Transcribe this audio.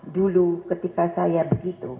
dulu ketika saya begitu